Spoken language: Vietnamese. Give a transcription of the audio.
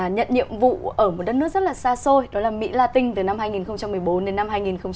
nhận nhiệm vụ ở một đất nước rất là xa xôi đó là mỹ la tinh từ năm hai nghìn một mươi bốn đến năm hai nghìn một mươi bảy